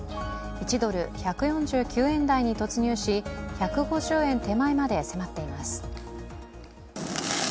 １ドル＝１４９円台に突入し、１５０円手前まで迫っています。